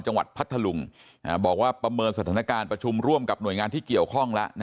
พัทธลุงบอกว่าประเมินสถานการณ์ประชุมร่วมกับหน่วยงานที่เกี่ยวข้องแล้ว